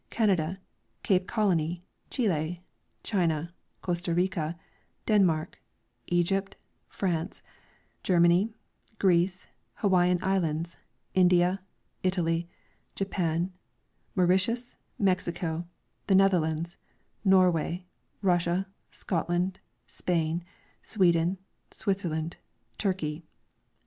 Canada, Cape Colony, Chili, China, Costa Rica, Denmark, Egypt, France, Germany, Greece, Hawaiian islands, India, Italy, Japan, Mauritius, Mexico, the Netherlands, Norway, Russia, Scotland, Spain, Sweden, Switzerland, Turkey.